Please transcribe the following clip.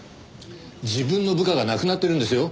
自分の部下が亡くなってるんですよ？